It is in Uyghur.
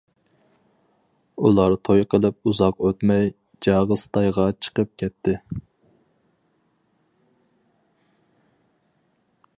ئۇلار توي قىلىپ ئۇزاق ئۆتمەي جاغىستايغا چىقىپ كەتتى.